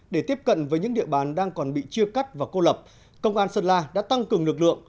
để tiếp cận với những địa bàn đang còn bị chia cắt và cô lập công an sơn la đã tăng cường lực lượng